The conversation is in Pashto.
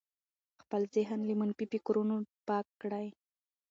خپل ذهن له منفي فکرونو پاک کړئ.